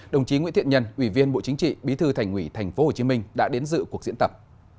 đồng chí nguyễn thiện nhân ủy viên bộ chính trị bí thư thành ủy tp hcm đã đến dự cuộc diễn tập